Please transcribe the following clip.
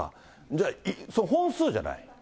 じゃあ、本数じゃない。